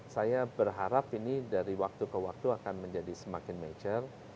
saya berharap ini dari waktu ke waktu akan menjadi semakin mature